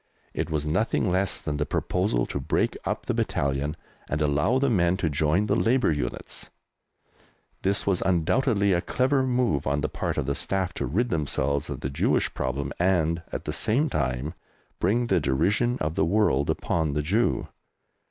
It was nothing less than the proposal to break up the battalion and allow the men to join Labour units! This was undoubtedly a clever move on the part of the Staff to rid themselves of the Jewish problem and, at the same time, bring the derision of the world upon the Jew.